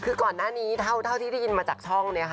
คือก่อนหน้านี้เท่าที่ได้ยินมาจากช่องเนี่ยค่ะ